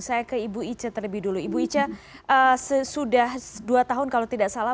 saya ke ibu ica terlebih dulu ibu ica sesudah dua tahun kalau tidak salah